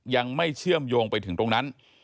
ยังไม่เชื่อมโยงไปถึงตรงนั้น